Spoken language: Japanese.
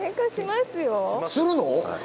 するの？